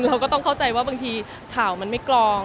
เราก็ต้องเข้าใจว่าบางทีข่าวมันไม่กรอง